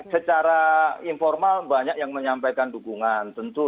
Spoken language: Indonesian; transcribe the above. secara informal banyak yang menyampaikan dukungan tentu